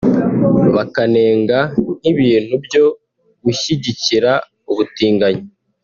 bakanenga nk’ibintu byo gushyigikira ubutinganyi